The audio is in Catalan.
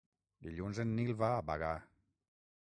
Dilluns en Nil va a Bagà.